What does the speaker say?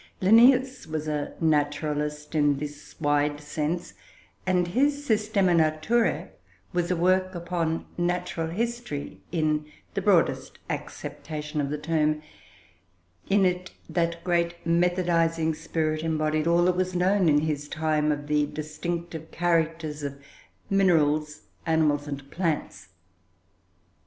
Linnaeus was a naturalist in this wide sense, and his "Systema Naturae" was a work upon natural history, in the broadest acceptation of the term; in it, that great methodising spirit embodied all that was known in his time of the distinctive characters of minerals, animals, and plants.